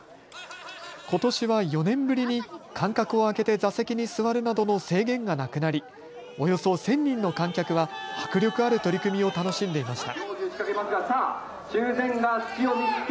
ことしは４年ぶりに間隔を空けて座席に座るなどの制限がなくなりおよそ１０００人の観客は迫力ある取組を楽しんでいました。